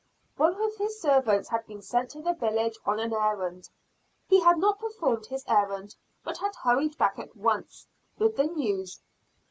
One of his servants had been sent to the village on an errand; he had not performed his errand, but he had hurried back at once with the news.